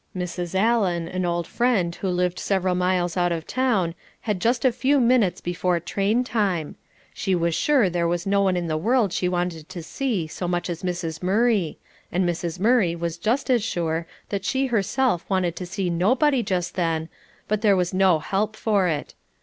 Mrs. Allan, an old friend who lived several miles out of town, had just a few minutes before train time; she was sure there was no one in the world she wanted to see so much as Mrs. Murray, and Mrs. Murray was just as sure that she herself wanted to see nobody just then, but there was no help for it.